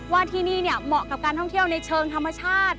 ว่าที่นี่เนี่ยเหมาะกับการท่องเที่ยวในเชิงธรรมชาติ